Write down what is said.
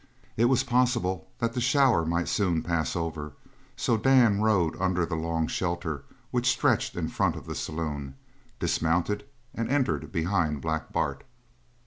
It was possible that the shower might soon pass over, so Dan rode under the long shelter which stretched in front of the saloon, dismounted, and entered behind Black Bart.